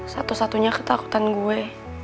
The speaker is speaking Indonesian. satu satunya ketakutan gue